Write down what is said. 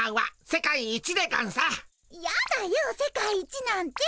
世界一なんて。